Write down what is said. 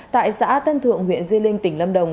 tại xã tân thượng huyện di linh tỉnh lâm đồng